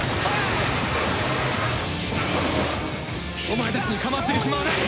お前たちに構っている暇はない！